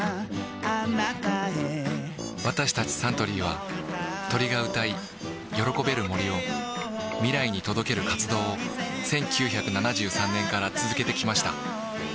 私たちサントリーは鳥が歌い喜べる森を未来に届ける活動を１９７３年から続けてきました